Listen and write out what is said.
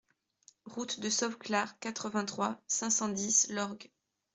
Route de Sauveclare, quatre-vingt-trois, cinq cent dix Lorgues